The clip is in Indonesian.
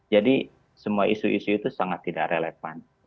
jadi semua isu isu itu sangat tidak relevan